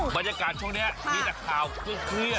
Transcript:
บรรยากาศช่วงนี้มีหนักขาวคื้นเครียด